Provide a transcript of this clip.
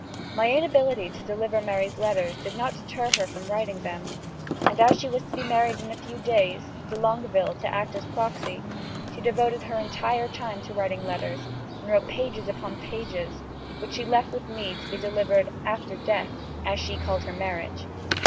My inability to deliver Mary's letters did not deter her from writing them; and as she was to be married in a few days de Longueville to act as proxy she devoted her entire time to her letters, and wrote pages upon pages, which she left with me to be delivered "after death," as she called her marriage.